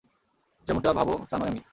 যেমনটা ভাবো তা নই আমি।